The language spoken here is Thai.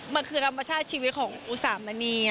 มันคือธรรมชาติชีวิตของอุสามณี